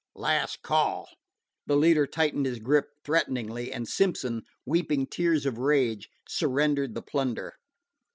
Last call." The leader tightened his grasp threateningly, and Simpson, weeping tears of rage, surrendered the plunder.